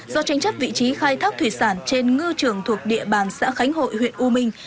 do tranh chấp vị trí khai thác thủy sản trên ngư trường thuộc địa bàn xã khánh hội huyện u minh